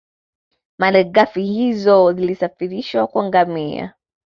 Malighafi hizo zilisafirishwa kwa ngamia